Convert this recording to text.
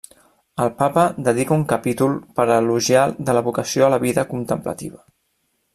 El Papa dedica un capítol per elogiar de la vocació a la vida contemplativa.